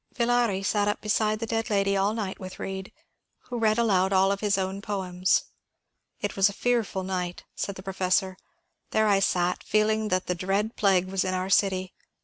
Villari sat up beside the dead lady all night with Bead, who read aloud all of his own poems. ^ It was a fearful night,'' said the professor. ^' There I sat, feeling that the dread plague was in our city.